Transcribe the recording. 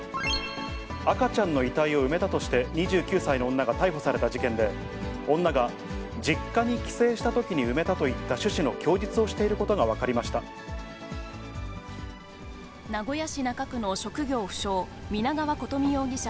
赤ちゃんの遺体を埋めたとして、２９歳の女が逮捕された事件で、女が、実家に帰省したときに埋めたといった趣旨の供述をしていることが名古屋市中区の職業不詳、皆川琴美容疑者